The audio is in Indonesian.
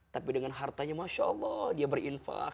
tapi dengan hartanya masya allah dia berinfak